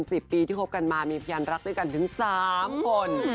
สิบปีที่คบกันมามีพยานรักด้วยกันถึงสามคน